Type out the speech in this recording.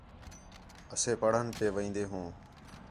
اَسے پھرݨ پئے وین٘دے ہوں